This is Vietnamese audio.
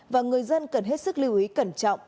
và người dân cần hết sức lưu ý cẩn trọng